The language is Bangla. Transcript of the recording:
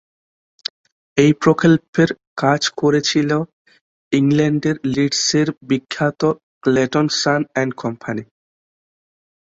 ওই প্রকল্পের কাজ করেছিল ইংল্যান্ডের লিডসের বিখ্যাত ক্লেটন সন অ্যান্ড কোম্পানি।